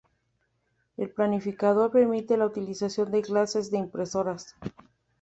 El planificador permite la utilización de clases de impresoras.